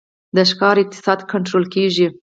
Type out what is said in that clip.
د ښکار اقتصاد کنټرول کیږي